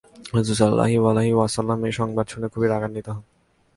রাসূল সাল্লাল্লাহু আলাইহি ওয়াসাল্লাম এ সংবাদ শুনে খুবই রাগান্বিত হন।